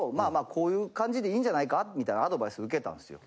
こういう感じでいいんじゃないかみたいなアドバイス受けたんですよ。